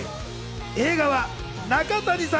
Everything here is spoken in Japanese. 映画は中谷さん